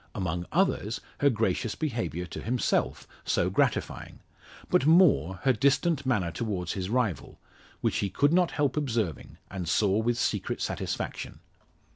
Among others, her gracious behaviour to himself, so gratifying; but more, her distant manner towards his rival, which he could not help observing, and saw with secret satisfaction.